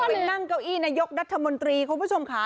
ไปนั่งเก้าอี้นายกรัฐมนตรีคุณผู้ชมค่ะ